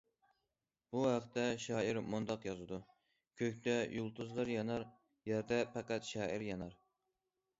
بۇ ھەقتە شائىر مۇنداق يازىدۇ:« كۆكتە يۇلتۇزلار يانار، يەردە پەقەت شائىر يانار».